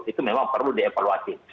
itu memang perlu dievaluasi